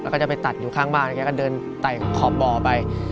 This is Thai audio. แล้วก็จะไปตัดอยู่ข้างบ้านแล้วแกก็เดินไต่ขอบบ่อไป